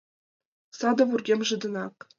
Саде вургемже денак.